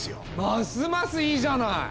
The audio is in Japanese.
ますますいいじゃない！